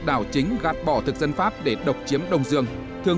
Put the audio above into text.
đã phát triển hoàn chỉnh đường lối